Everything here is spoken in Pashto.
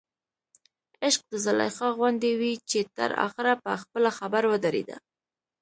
عشق د زلیخا غوندې وي چې تر اخره په خپله خبر ودرېده.